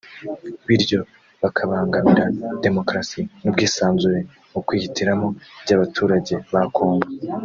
biryo bakabangamira demokarasi n’ubwisanzure mu kwihitiramo by’abaturage ba Congo